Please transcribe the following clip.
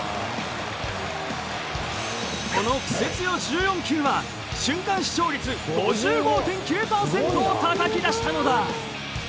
このクセ強１４球は瞬間視聴率５５．９％をたたき出したのだ。